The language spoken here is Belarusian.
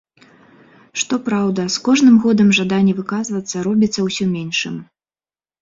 Што праўда, з кожным годам жаданне выказвацца робіцца ўсё меншым.